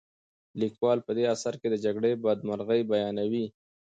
لیکوال په دې اثر کې د جګړې بدمرغۍ بیانوي.